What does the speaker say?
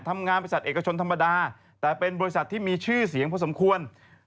ทำงานบริษัทเอกชนธรรมดาแต่เป็นบริษัทที่มีชื่อเสียงพอสมควร